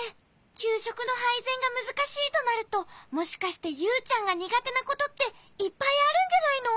きゅうしょくのはいぜんがむずかしいとなるともしかしてユウちゃんがにがてなことっていっぱいあるんじゃないの？